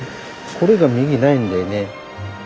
これが右ないんだよね。